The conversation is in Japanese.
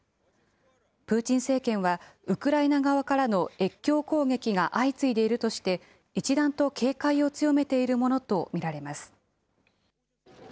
プーチン政権は、ウクライナ側からの越境攻撃が相次いでいるとして、一段と警戒を強めているものと見られます。